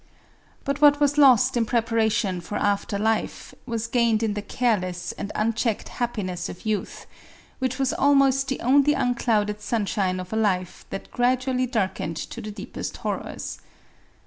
But what was lost in preparation for after life, was gained in the careless and unchecked happiness of youth, which was almost the only unclouded sun shine of a life that gradually darkened to the deepest horrors.